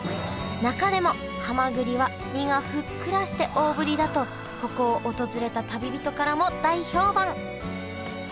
中でもはまぐりは身がふっくらして大ぶりだとここを訪れた旅人からも大評判。